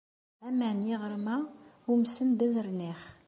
Aman n yiɣrem-a umsen d azernix.